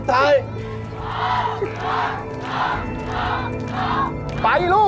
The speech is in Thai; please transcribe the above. ออกมาเปิด